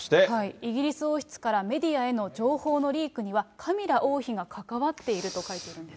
イギリス王室からメディアへの情報のリークには、カミラ王妃が関わっていると書いているんです。